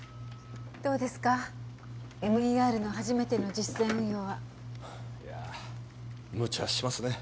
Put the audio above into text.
どうですかＭＥＲの初めての実践運用はいやむちゃしますね